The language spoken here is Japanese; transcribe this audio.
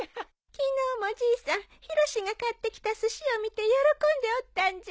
昨日もじいさんヒロシが買ってきたすしを見て喜んでおったんじゃ。